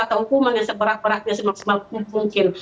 atau hukuman yang seberat beratnya semaksimal mungkin